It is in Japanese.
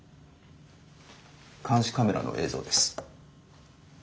監視カメラの映像です。